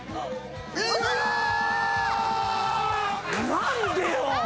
何でよ！